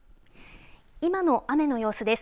今の雨の様子です。